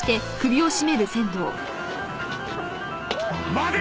待て！